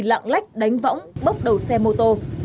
lạng lách đánh võng bốc đầu xe mô tô